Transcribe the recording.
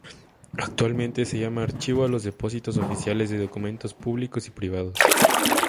Actualmente se llama archivo a los depósitos oficiales de documentos públicos y privados.